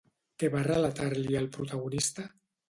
Què va relatar-li al protagonista?